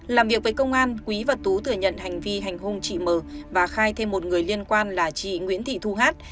làm việc với công an quý và tú thừa nhận hành vi hành hung chị m và khai thêm một người liên quan là chị nguyễn thị thu hát